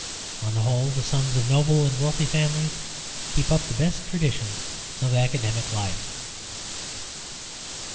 On the whole, the sons of noble and wealthy families keep up the best traditions of academic life."